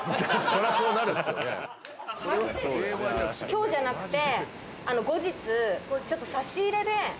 今日じゃなくて。